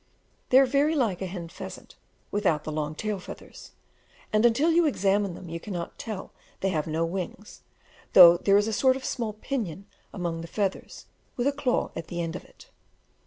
They are very like a hen pheasant without the long tail feathers, and until you examine them you cannot tell they have no wings, though there is a sort of small pinion among the feathers, with a claw at the end of it.